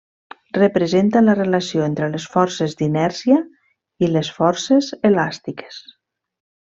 Representa la relació entre les forces d'inèrcia i les forces elàstiques.